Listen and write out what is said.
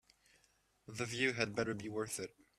The view had better be worth it.